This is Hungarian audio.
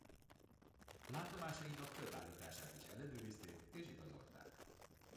Látomásainak több állítását is ellenőrizték és igazolták.